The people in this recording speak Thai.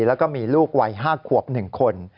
แล้วก็มีลูกวัย๕ขวบ๑คน